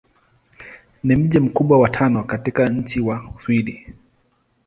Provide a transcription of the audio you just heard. Ni mji mkubwa wa tano katika nchi wa Uswidi.